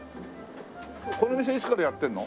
この店いつからやってるの？